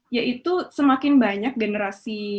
yaitu semakin banyak generasi